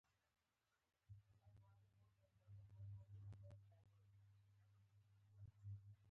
د یاګانو د زده کړې په برخه کې د پښويې کتابونو هڅه کړې ده